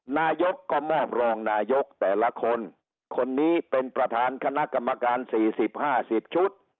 นายกก็มอบรองนายกแต่ละคนคนนี้เป็นประธานคณะกรรมการ๔๐๕๐ชุด